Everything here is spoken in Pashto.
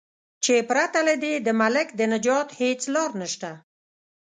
چې پرته له دې د ملک د نجات هیڅ لار نشته.